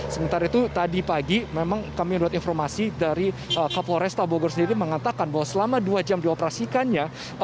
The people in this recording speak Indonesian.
sementara itu tadi pagi memang kami mendapat informasi dari kapolres tabogor sendiri mengatakan bahwa selama dua jam dioperasikannya